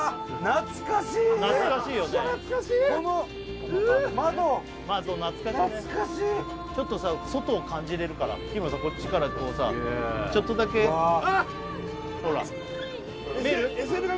懐かしいね懐かしいちょっとさ外を感じられるから日村さんこっちからこうさちょっとだけあっほら見える？